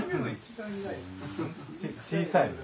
小さい村？